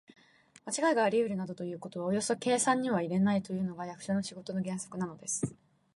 まちがいがありうるなどということはおよそ計算には入れないというのが、役所の仕事の原則なのです。